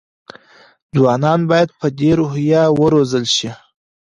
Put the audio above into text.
ځوانان باید په دې روحیه وروزل شي.